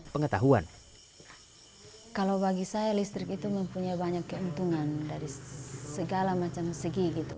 pengetahuan kalau bagi saya listrik itu mempunyai banyak keuntungan dari segala macam segi gitu